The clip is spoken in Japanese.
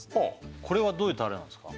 これはどういうタレなんですか？